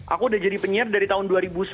aku udah jadi penyiar dari tahun dua ribu sembilan